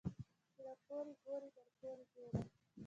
ـ چې راپورې ګورې درپورې ګورم.